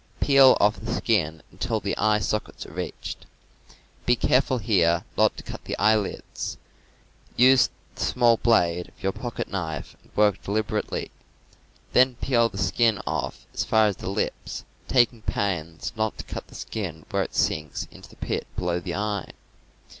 Peel off the skin until the eye sockets are reached. Be careful here not to cut the eyelids; use the small blade of your pocket knife and work deliberately. Then peel the skin off as far as the lips, taking pains not to cut the skin where it sinks into the pit below the eye.